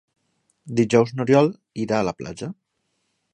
Dijous n'Oriol irà a la platja.